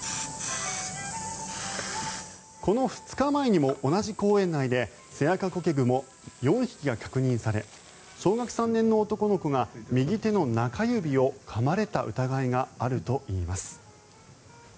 この２日前にも同じ公園内でセアカゴケグモ４匹が確認され小学３年の男の子が右手の中指をかまれた疑いがあるといいます。